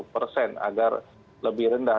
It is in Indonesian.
persen agar lebih rendah